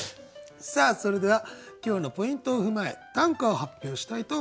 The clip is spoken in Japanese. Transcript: さあそれでは今日のポイントを踏まえ短歌を発表したいと思います。